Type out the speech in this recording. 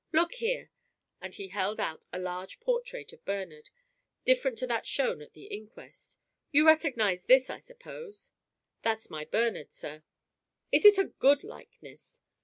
"Look here," and he held out a large portrait of Bernard, different to that shown at the inquest. "You recognize this, I suppose?" "That's my Bernard, sir." "Is it a good likeness?"